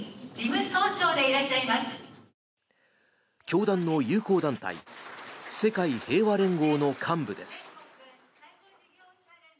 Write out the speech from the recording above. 教団の友好団体世界平和連合の幹部です。